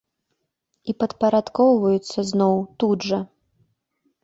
І падпарадкоўваюцца зноў, тут жа.